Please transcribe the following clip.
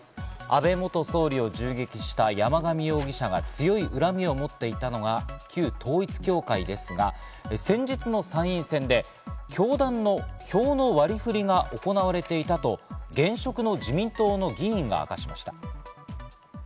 安倍元総理を銃撃した山上容疑者が強い恨みを持っていたのが旧統一教会ですが、先日の参院選で教団の票の割り振りが行われていたと、現職の自民党議員が明かしました。